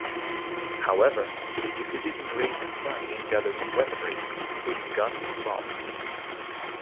However, they succeeded in raising money and gathering weaponry, including guns and bombs.